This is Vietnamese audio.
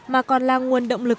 mà còn là nguồn động lực